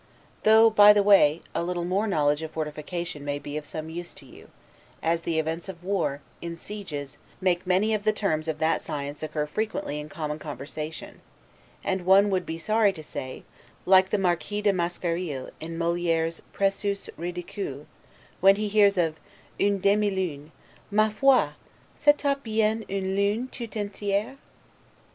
Though, by the way, a little more knowledge of fortification may be of some use to you; as the events of war, in sieges, make many of the terms, of that science occur frequently in common conversation; and one would be sorry to say, like the Marquis de Mascarille in Moliere's 'Precieuses Ridicules', when he hears of 'une demie lune, Ma foi! c'etoit bien une lune toute entiere'.